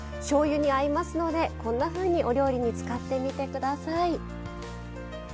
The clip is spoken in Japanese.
しょうゆに合いますのでこんなふうにお料理に使ってみて下さい。